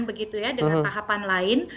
dengan tahapan lain